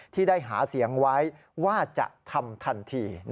ที่ได้หาเสียงไว้ว่าจะทำทันที